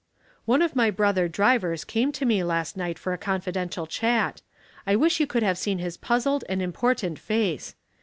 " One of my brother drivers came to me last night for a confidential chat. I wish you could have seen his puzzled and important face.